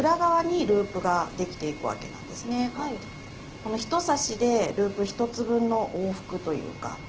この１刺しでループ１つ分の往復というか。